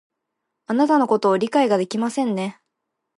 あなたのことを理解ができませんね